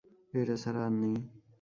এটা ছাড়া আর নেই।